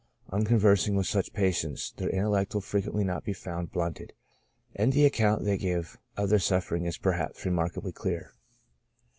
On conversing with such patients their intellect will fre quently not be found blunted, and the account they give of their sufferings is perhaps remarkably clear.